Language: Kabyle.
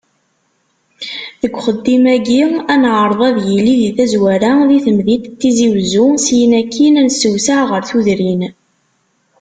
Deg uxeddim-agi, ad neɛreḍ, ad yili di tazwara di temdint n Tizi Uzzu, syin akin ad nessewseɛ ɣer tudrin.